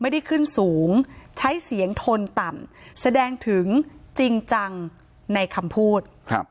ขึ้นสูงใช้เสียงทนต่ำแสดงถึงจริงจังในคำพูด